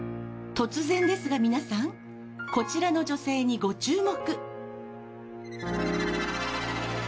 突然ですが皆さんこちらの女性にご注目。